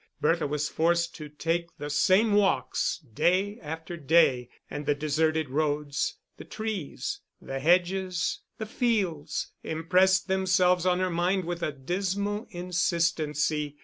Bertha was forced to take the same walks day after day; and the deserted roads, the trees, the hedges, the fields, impressed themselves on her mind with a dismal insistency.